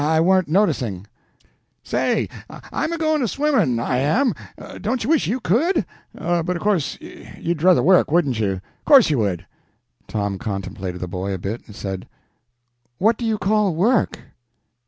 I warn't noticing." "Say, I'm going in a swimming, I am. Don't you wish you could? But of course you'd druther work, wouldn't you? 'Course you would!" Tom contemplated the boy a bit, and said "What do you call work?"